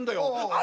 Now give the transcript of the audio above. あ！